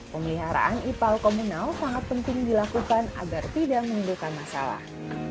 pemeliharaan ipal komunal sangat penting dilakukan agar tidak menimbulkan masalah